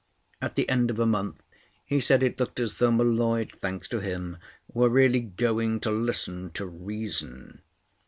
At the end of a month he said it looked as though M'Leod, thanks to him, were really going to listen to reason.